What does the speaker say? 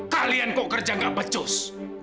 kalian kok kerja gak pecus